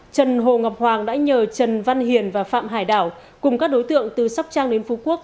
trần hồ ngọc hoàng đã nhờ trần văn hiền và phạm hải đảo cùng các đối tượng từ sóc trăng đến phú quốc